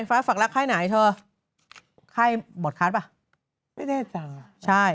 ฟ้าฝักรักไข้ไหนเถอะไข้บอร์ดคาร์สปะไม่ได้จังใช่